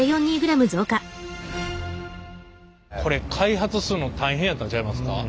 これ開発するの大変やったんちゃいますか？